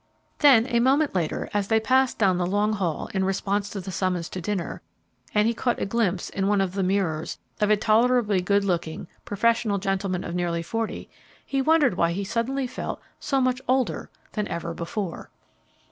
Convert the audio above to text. Then a moment later, as they passed down the long hall in response to the summons to dinner, and he caught a glimpse, in one of the mirrors, of a tolerably good looking, professional gentleman of nearly forty, he wondered why he suddenly felt so much older than ever before.